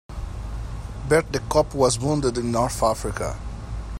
Bert the cop was wounded in North Africa.